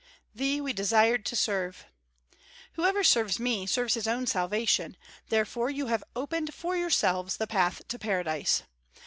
"Thee we desired to serve." "Whoever serves me serves his own salvation; therefore you have opened for yourselves the path to paradise.